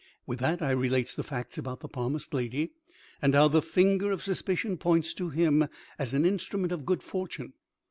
With that I relates the facts about the palmist lady and how the finger of suspicion points to him as an instrument of good fortune.